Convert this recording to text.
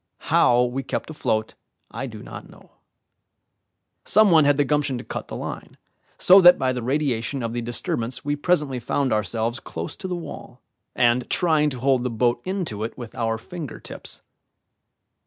How we kept afloat, I do not know. Some one had the gumption to cut the line, so that by the radiation of the disturbance we presently found ourselves close to the wall, and trying to hold the boat in to it with our finger tips.